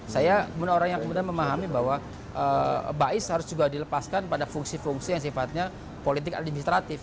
saya kemudian orang yang kemudian memahami bahwa bais harus juga dilepaskan pada fungsi fungsi yang sifatnya politik administratif